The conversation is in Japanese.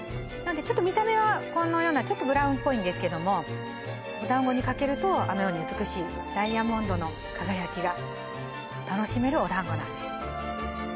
ちょっと見た目はこのようなちょっとブラウンっぽいんですけどもお団子にかけるとあのように美しいダイヤモンドの輝きが楽しめるお団子なんです